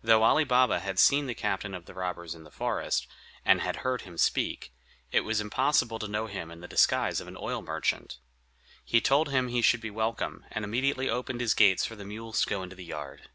Though Ali Baba had seen the captain of the robbers in the forest, and had heard him speak, it was impossible to know him in the disguise of an oil merchant. He told him he should be welcome, and immediately opened his gates for the mules to go into the yard.